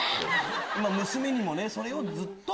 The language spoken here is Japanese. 娘にもねそれをずっと。